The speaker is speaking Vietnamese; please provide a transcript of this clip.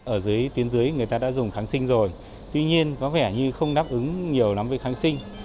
ở dưới tuyến dưới người ta đã dùng kháng sinh rồi tuy nhiên có vẻ như không đáp ứng nhiều lắm với kháng sinh